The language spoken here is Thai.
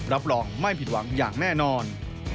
รับรองไม่ผิดหวังอย่างแน่นอน